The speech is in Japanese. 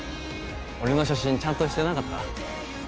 俺の写真ちゃんとしてなかった？